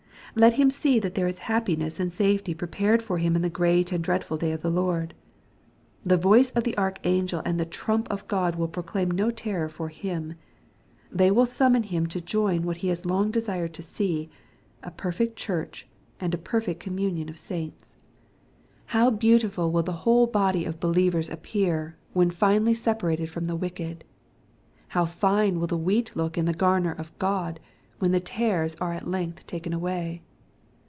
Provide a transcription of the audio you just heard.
Let him see that there is happiness and safety prepared for him in the great and dreadful day of the Lord. The voice of the archangel and the trump of God will prockim no terror for him. They will summon him to join wkit he has long desired to see, a perfect Church and a perfect communion of saints. How beauti" 150 EXPOSITORY THOUGHTS. fid will the whole body of believers api ear, when finally separated from the wicked ! How fine will the wheat look in the gamer of God, when the tares are at length taken away